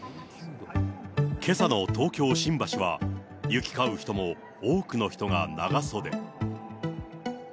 けさの東京・新橋は、行き交う人も多くの人が長袖。